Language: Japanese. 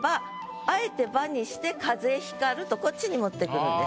あえて「ば」にして「風光る」とこっちに持ってくるんです。